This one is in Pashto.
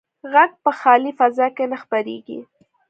غږ په خالي فضا کې نه خپرېږي.